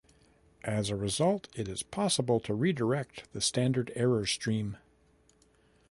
As a result, it is possible to redirect the standard error stream.